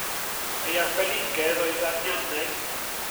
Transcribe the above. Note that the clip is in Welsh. Ei arbenigedd oedd anianeg.